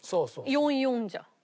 ４４じゃん。